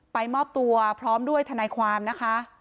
มอบตัวพร้อมด้วยทนายความนะคะ